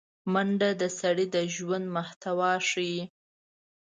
منډه د سړي د ژوند محتوا ښيي